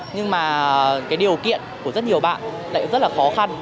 nhưng mà cái điều kiện của rất nhiều bạn lại rất là khó khăn